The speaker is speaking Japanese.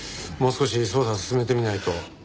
もう少し捜査を進めてみないと。